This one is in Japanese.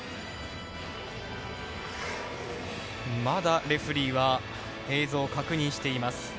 まだレフェリーは映像を確認しています。